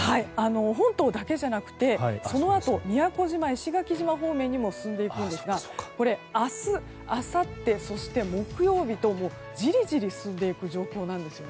本島だけじゃなくてそのあと、宮古島石垣島方面にも進んでいくんですが明日あさって、そして木曜日とじりじり進んでいく状況です。